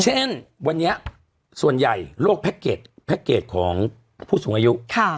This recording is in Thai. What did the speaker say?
เช่นวันนี้ส่วนใหญ่โรคแพ็คเกจของผู้สูงอายุ